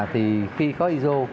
thì khi có iso